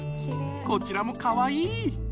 こちらもかわいい！